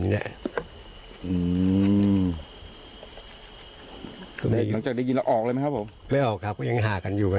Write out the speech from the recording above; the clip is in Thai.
มีอะไรอีกไหมครับพี่ยาว